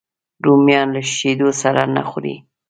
رومیان له شیدو سره نه خوري